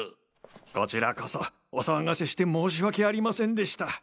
こちらこそお騒がせして申し訳ありませんでした。